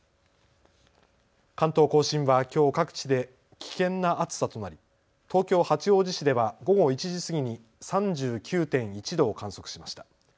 関東甲信はきょう各地で危険な暑さとなり、東京八王子市では午後１時過ぎに３９．１度を観測しました。